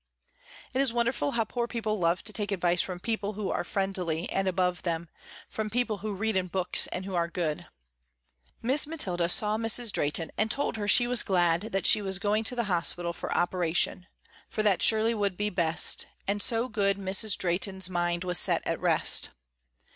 It is wonderful how poor people love to take advice from people who are friendly and above them, from people who read in books and who are good. Miss Mathilda saw Mrs. Drehten and told her she was glad that she was going to the hospital for operation for that surely would be best, and so good Mrs. Drehten's mind was set at rest.